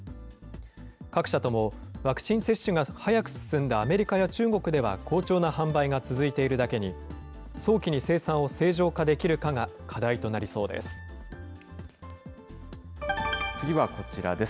各社とも、ワクチン接種が早く進んだアメリカや中国では好調な販売が続いているだけに、早期に生産を正常化できるかが課題となりそうです。